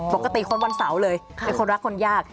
ปกติคนวันเสาร์เลยเป็นคนรักคนยาก